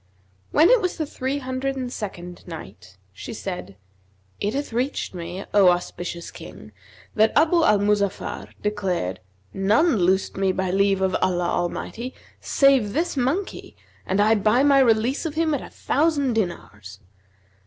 When it was the Three Hundred and Second Night, She said, It hath reached me, O auspicious King, that Abu al Muzaffar declared, "None loosed me, by leave of Allah Al mighty, save this monkey and I buy my release of him at a thousand dinars!"